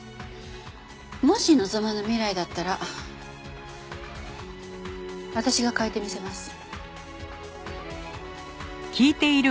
もし望まぬ未来だったら私が変えてみせます。